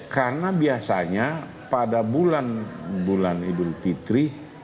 karena biasanya pada bulan bulan idul fitri